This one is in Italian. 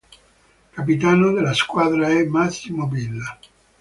Capitano della squadra è Massimo Villa.